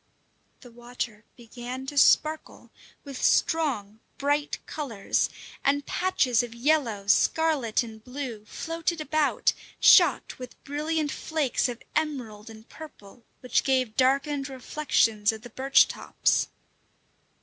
The water began to sparkle with strong, bright colours, and patches of yellow, scarlet, and blue floated about, shot with brilliant flakes of emerald and purple, which gave darkened reflections of the birch tops.